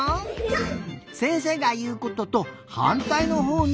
せんせいがいうこととはんたいのほうにうごいてみよう。